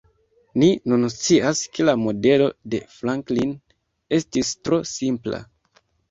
Ni nun scias ke la modelo de Franklin estis tro simpla.